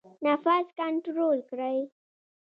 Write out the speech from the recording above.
نفس کنټرول کړئ